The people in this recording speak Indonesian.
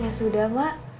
ya sudah mak